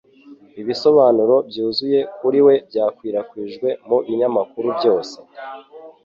Ibisobanuro byuzuye kuri we byakwirakwijwe mu binyamakuru byose